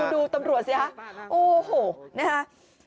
ดูตำรวจสิฮะโอ้โห